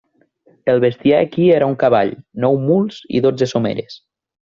El bestiar equí era un cavall, nou muls i dotze someres.